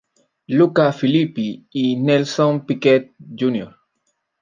Luca Filippi y Nelson Piquet, Jr.